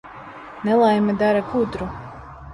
Nelaime dara gudru.